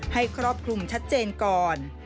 ครอบคลุมชัดเจนก่อน